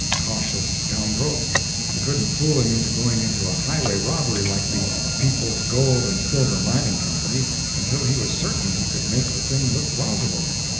Cautious scoundrel! You couldn't fool him into going into a highway robbery like the "People's Gold and Silver Mining Company," until he was certain he could make the thing look plausible.